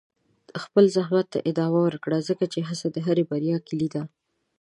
خپل زحمت ته ادامه ورکړه، ځکه چې هڅه د هرې بریا کلي ده.